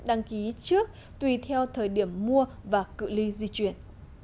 đăng ký trước tùy theo thời điểm mua và cự li di chuyển